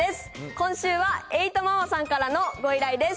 今週はえいとままさんからのご依頼です。